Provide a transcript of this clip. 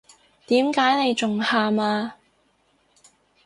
點解你仲喊呀？